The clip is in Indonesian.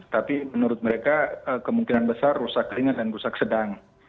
tapi menurut mereka kemungkinan besar rusak ringan dan rusak sedang